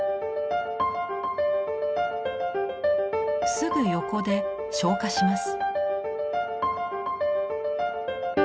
すぐ横で消火します。